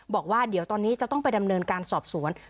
บอกว่าเดี๋ยวตอนนี้จะต้องไปดำเนินการสอบสวน